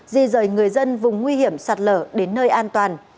di rời người dân vùng nguy hiểm sạt lở đến nơi an toàn